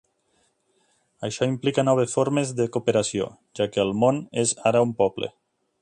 Això implica noves formes de cooperació, ja que el món és ara un poble.